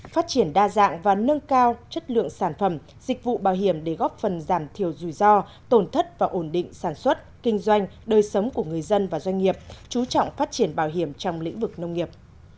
phát triển đa dạng và nâng cao chất lượng sản phẩm dịch vụ bảo hiểm để góp phần giảm thiểu rủi ro tổn thất và ổn định sản xuất kinh doanh đời sống của người dân và doanh nghiệp chú trọng phát triển bảo hiểm trong lĩnh vực nông nghiệp